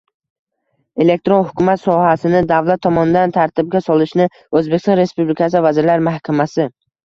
Elektron hukumat sohasini davlat tomonidan tartibga solishni O‘zbekiston Respublikasi Vazirlar Mahkamasi